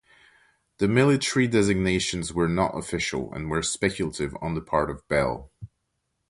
The military designations were not official and were speculative on the part of Bell.